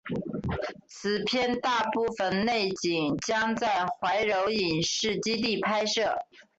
此片大部分内景将在怀柔影视基地拍摄。